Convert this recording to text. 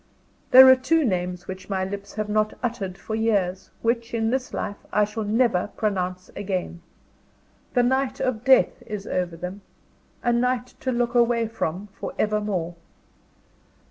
There are two names which my lips have not uttered for years; which, in this life, I shall never pronounce again. The night of Death is over them: a night to look away from for evermore.